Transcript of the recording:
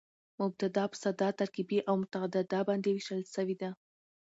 مبتداء په ساده، ترکیبي او متعدده باندي وېشل سوې ده.